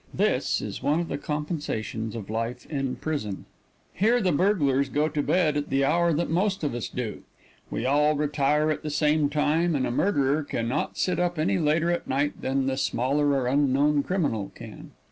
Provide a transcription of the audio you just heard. This is one of the compensations of life in prison. Here the burglars go to bed at the hour that the rest of us do. We all retire at the same time, and a murderer can not sit up any later at night than the smaller or unknown criminal can.